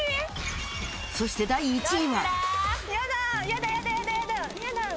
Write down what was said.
そして第１位は。